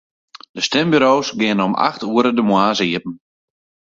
De stimburo's geane om acht oere de moarns iepen.